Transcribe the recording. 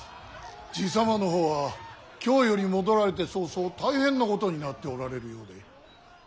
爺様の方は京より戻られて早々大変なことになっておられるようで。